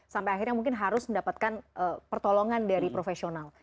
sampai akhirnya mungkin harus mendapatkan pertolongan dari profesional